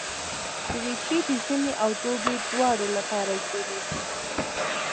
دریشي د ژمي او دوبي دواړو لپاره جوړېږي.